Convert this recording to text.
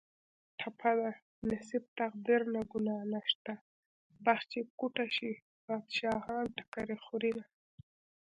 ټپه ده: نصیب تقدیر نه ګناه نشته بخت چې کوټه شي بادشاهان ټکرې خورینه